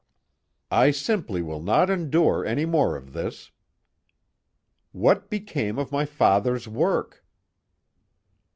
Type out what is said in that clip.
"I simply will not endure any more of this." "What became of my father's work?"